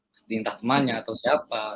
pasti entah temannya atau siapa